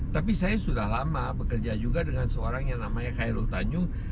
tapi saya sudah lama bekerja juga dengan seorang yang namanya khairul tanjung